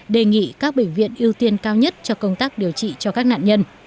đề nghị các bệnh viện ưu tiên cao nhất cho công tác điều trị cho các nạn nhân